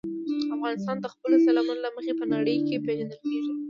افغانستان د خپلو سیلابونو له مخې په نړۍ کې پېژندل کېږي.